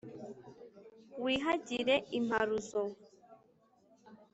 wihagire imparuzo,